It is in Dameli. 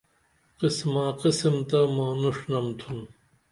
قسم ما قسم تہ ماڜنم تھُن